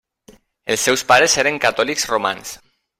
Els seus pares eren catòlics romans.